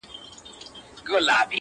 لکه ملنگ چي د پاچا تصوير په خوب وويني~